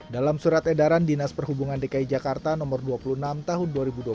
dalam surat edaran dinas perhubungan dki jakarta nomor dua puluh enam tahun dua ribu dua puluh